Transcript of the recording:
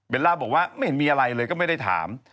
ล่าบอกว่าไม่เห็นมีอะไรเลยก็ไม่ได้ถาม